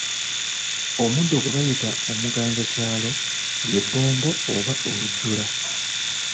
Omuddo gwe bayita omuganzakyalo ly'ebbombo oba olujjula